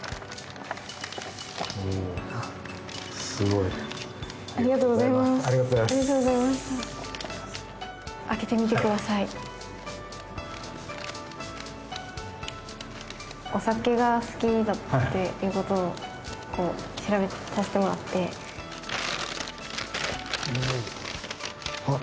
おおすごいありがとうございますありがとうございますお酒が好きだっていうことを調べさせてもらっておおあっ